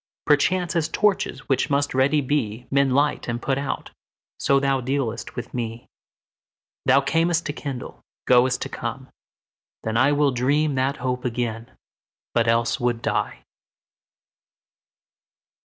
Perchance, as torches, which must ready be, Men light and put out, so thou dealst with me. Thou cam'st to kindle, goest to come: then IWill dream that hope again, but else would die.